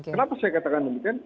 kenapa saya katakan demikian